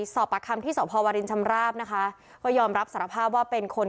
ประคัมที่สพวรินชำราบนะคะก็ยอมรับสารภาพว่าเป็นคน